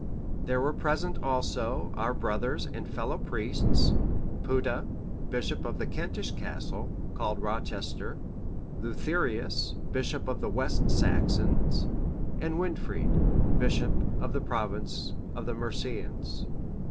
There were present also our brothers and fellow priests, Putta, bishop of the Kentish castle, called Rochester; Leutherius, bishop of the West Saxons, and Wynfrid, bishop of the province of the Mercians.